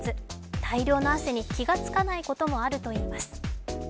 大量の汗に気がつかないこともあるといいます。